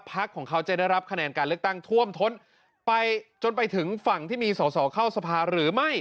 พักของเขาจะได้รับคะแนนการเลือกตั้งท่วมท้นไปจนไปถึงฝั่งที่มีสอสอเข้าสภาหรือไม่